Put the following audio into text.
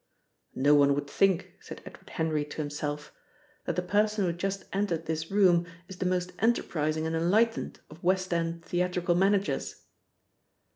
("No one would think," said Edward Henry to himself, "that the person who has just entered this room is the most enterprising and enlightened of West End theatrical managers.")